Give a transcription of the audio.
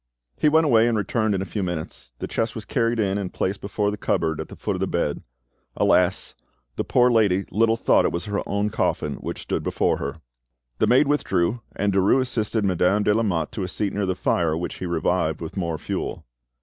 He went away, and returned in a few minutes. The chest was carried in, and placed before the cupboard at the foot of the bed. Alas! the poor lady little thought it was her own coffin which stood before her! The maid withdrew, and Derues assisted Madame de Lamotte to a seat near the fire, which he revived with more fuel.